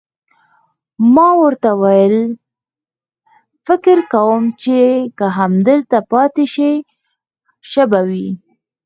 ما ورته وویل: فکر کوم چې که همدلته پاتې شئ، ښه به وي.